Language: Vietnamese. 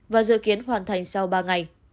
và dự kiến hoàn thành sau ba ngày